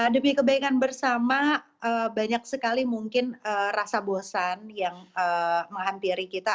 demi kebaikan bersama banyak sekali mungkin rasa bosan yang menghampiri kita